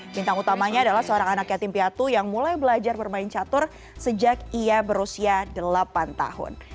bintang utamanya adalah seorang anak yatim piatu yang mulai belajar bermain catur sejak ia berusia delapan tahun